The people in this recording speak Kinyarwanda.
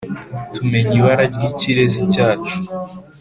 tumenye ibara ry’ikirezi cyacu